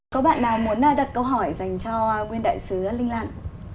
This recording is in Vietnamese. có bạn nào muốn đặt câu hỏi dành cho nguyên đại sứ linh lan